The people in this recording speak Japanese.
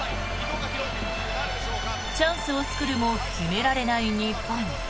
チャンスを作るも決められない日本。